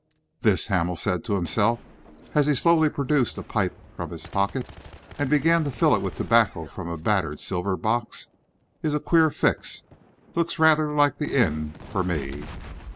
"This," Hamel said to himself, as he slowly produced a pipe from his pocket and began to fill it with tobacco from a battered silver box, "is a queer fix. Looks rather like the inn for me!"